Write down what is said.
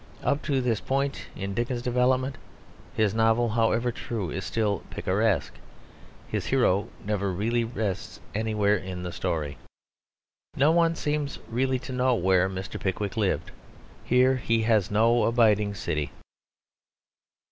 Up to this point in Dickens's development, his novel, however true, is still picaresque; his hero never really rests anywhere in the story. No one seems really to know where Mr. Pickwick lived. Here he has no abiding city.